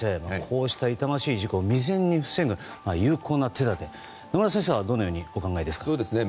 こうした痛ましい事故を未然に防ぐ有効な手立てを野村先生はどうお考えですか。